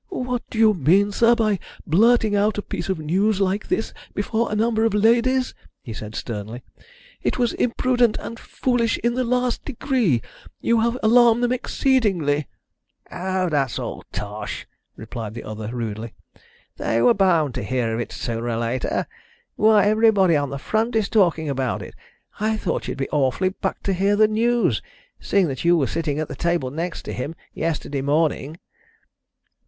"What do you mean, sir, by blurting out a piece of news like this before a number of ladies?" he said sternly. "It was imprudent and foolish in the last degree. You have alarmed them exceedingly." "Oh, that's all tosh!" replied the other rudely. "They were bound to hear of it sooner or later; why, everybody on the front is talking about it. I thought you'd be awfully bucked to hear the news, seeing that you were sitting at the next table to him yesterday morning."